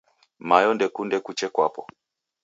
Mayo ndekunde kuche kwapo.